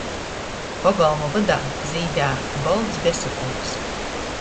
Pogolma vydā zīdēja bolts besakūks.